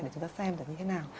để chúng ta xem là như thế nào